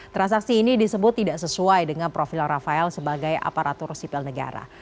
transaksi ini disebut tidak sesuai dengan profil rafael sebagai aparatur sipil negara